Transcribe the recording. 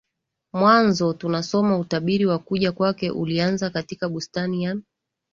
Mwanzo tunasoma utabiri wa kuja kwake ulianzia katika bustani ya